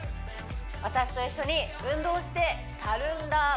私と一緒に運動してたるんだ